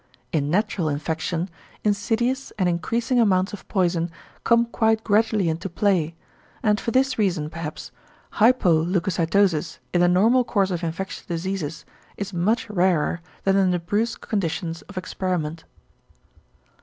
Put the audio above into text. In natural infection, insidious and increasing amounts of poison come quite gradually into play, and for this reason, perhaps, hypoleucocytosis in the normal course of infectious diseases is much rarer than in the brusque conditions of experiment.